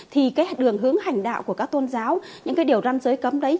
thì đường hướng hành đạo của các tôn giáo những điều răn giới cấm đấy